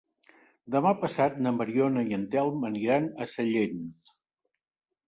Demà passat na Mariona i en Telm aniran a Sallent.